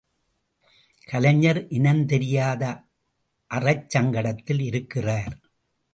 கலைஞர் இனந்தெரியாத அறச்சங்கடத்தில் இருக்கிறார்.